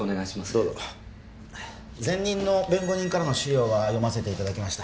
どうぞ前任の弁護人からの資料は読ませていただきました